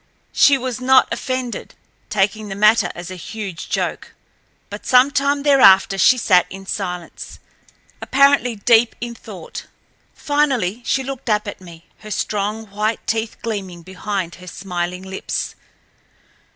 She was not offended, taking the matter as a huge joke. But some time thereafter she sat in silence, apparently deep in thought. Finally she looked up at me, her strong white teeth gleaming behind her smiling lips.